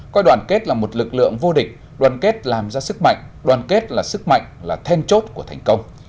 coi đoàn kết là một lực lượng vô địch đoàn kết làm ra sức mạnh đoàn kết là sức mạnh là then chốt của thành công